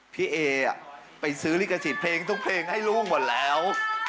พี่เอไปซื้อลิขสิทธิ์เพลงทุกเพลงให้ล่วงหมดแล้ว